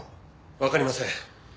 わかりません。